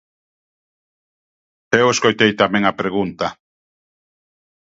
Eu escoitei tamén a pregunta.